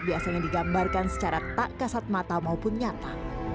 biasanya digambarkan secara tak kasat mata maupun nyata